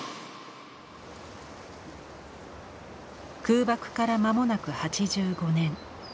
空爆から間もなく８５年。